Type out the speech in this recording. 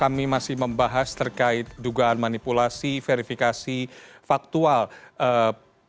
kami masih membahas terkait dugaan manipulasi verifikasi faktur dan penyusupan